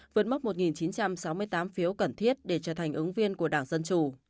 vượt mốc một chín trăm sáu mươi tám phiếu cần thiết để trở thành ứng viên của đảng dân chủ